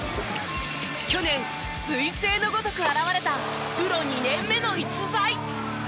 去年彗星のごとく現れたプロ２年目の逸材。